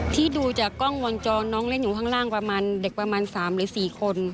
ที่ดูจากกล้องวงจรน้องเล่นอยู่ข้างล่างประมาณเด็กประมาณ๓หรือ๔คน